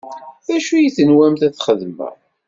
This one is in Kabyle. D acu i tenwam ad t-xedmeɣ?